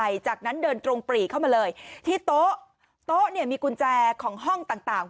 หลังจากนั้นเดินตรงปรีเข้ามาเลยที่โต๊ะโต๊ะเนี่ยมีกุญแจของห้องต่างต่าง